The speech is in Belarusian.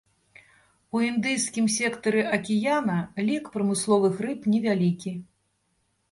У індыйскім сектары акіяна лік прамысловых рыб невялікі.